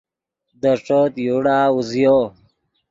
دے ݯوت یوڑا اوزیو